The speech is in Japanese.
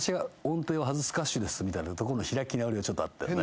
みたいなとこの開き直りちょっとあったよね。